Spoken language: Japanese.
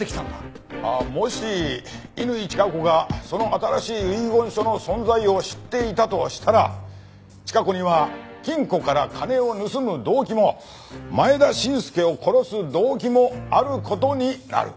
もし乾チカ子がその新しい遺言書の存在を知っていたとしたらチカ子には金庫から金を盗む動機も前田伸介を殺す動機もある事になる。